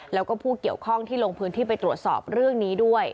แล้วก็ผู้เกี่ยวข้องที่ลงพื้นที่ไปตรวจสอบเรื่องนี้ด้วย